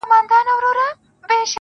خو ژوند حتمي ستا له وجوده ملغلري غواړي,